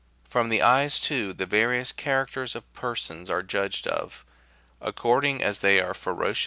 Erom the eyes, too, the various characters of persons are judged of, according as they are ferocious, me 93 B.